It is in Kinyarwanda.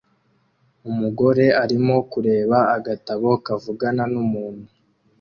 Umugore arimo kureba agatabo kavugana numuntu